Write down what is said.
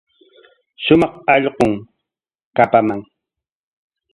Shumaq allqum kapaman.